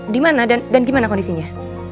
di mana dan gimana kondisinya